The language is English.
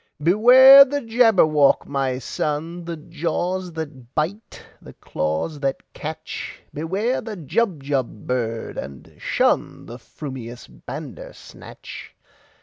"Beware the Jabberwock, my son! The jaws that bite, the claws that catch! Beware the Jubjub bird, and shunThe frumious Bandersnatch!"